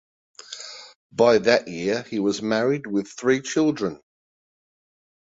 By that year he was married with three children.